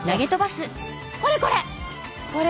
これこれ！